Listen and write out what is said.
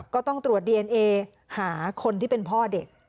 ก็ต้องตรวจดีเอนเอหาคนที่เป็นพ่อเด็ก